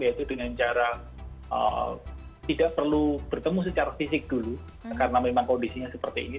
yaitu dengan cara tidak perlu bertemu secara fisik dulu karena memang kondisinya seperti ini